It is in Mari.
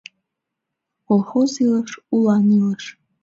Колхоз илыш — улан илыш